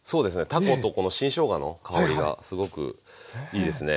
たことこの新しょうがの香りがすごくいいですね。